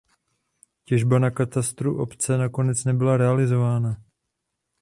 Těžba na katastru obce nakonec nebyla realizována.